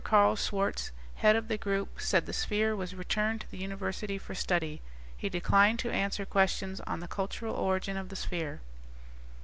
Karl Schwartz, head of the group, said the sphere was returned to the University for study. He declined to answer questions on the cultural origin of the sphere.